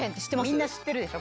みんな知ってるでしょ。